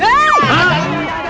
jangan jangan jangan